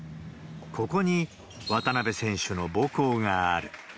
ここに渡邊選手の母校がある。